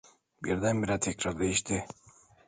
Birdenbire tekrar değişti.